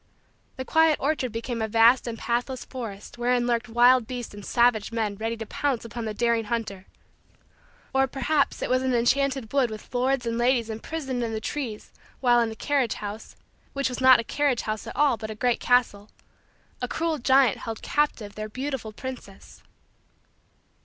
The quiet orchard became a vast and pathless forest wherein lurked wild beasts and savage men ready to pounce upon the daring hunter; or, perhaps, it was an enchanted wood with lords and ladies imprisoned in the trees while in the carriage house which was not a carriage house at all but a great castle a cruel giant held captive their beautiful princess.